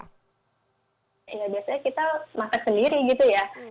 sehingga biasanya kita masak sendiri gitu ya